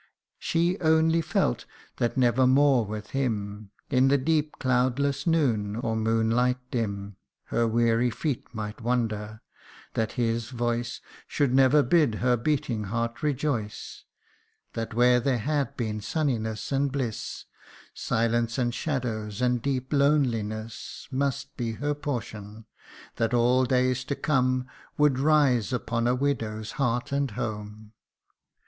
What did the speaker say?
S/te only felt that never more with him, In the deep cloudless noon, or moonlight dim, Her weary feet might wander that his voice Should never bid her beating heart rejoice That where there had been sunniness and bliss, Silence and shadows and deep loneliness Must be her portion that all days to come Would rise upon a widow 'd heart and home.